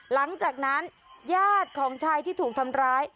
หลังจากนั้นญาติของชายที่ถูกทำร้าย